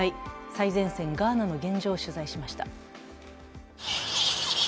最前線ガーナの現状を取材しました。